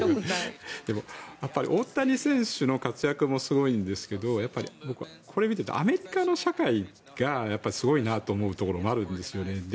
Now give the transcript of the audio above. でも、大谷選手の活躍もすごいんですけどこれを見ているとアメリカの社会がすごいなというところもあるんです。